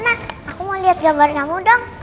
nak aku mau lihat gambar kamu dong